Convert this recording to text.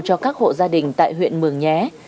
cho các hộ gia đình tại huyện mường nhé